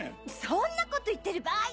そんなこと言ってる場合。